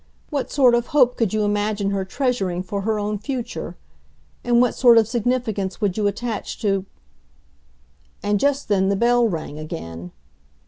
What sort of hope could you imagine her treasuring for her own future? And what sort of significance would you attach to " And just then the bell rang again.